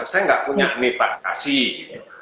ya saya nggak punya nifah kasih